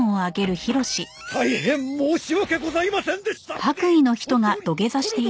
大変申し訳ございませんでした！